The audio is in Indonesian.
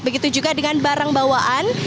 begitu juga dengan barang bawaan